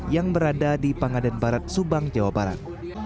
yang berada di pangaden barat subang jawa barat